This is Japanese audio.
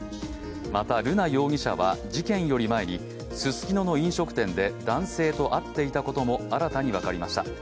また瑠奈容疑者は事件より前にススキノの飲食店で男性と会っていたことも新たに分かりました。